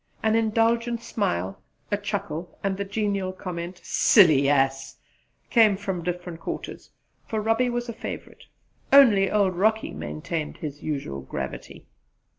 An indulgent smile, a chuckle, and the genial comment "Silly ass!" came from different quarters; for Robbie was a favourite. Only old Rocky maintained his usual gravity.